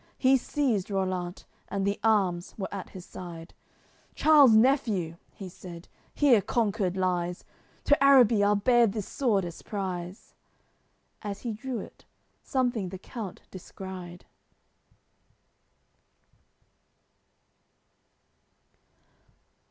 He's seized Rollant, and the arms, were at his side, "Charles nephew," he's said, "here conquered lies. To Araby I'll bear this sword as prize." As he drew it, something the count descried.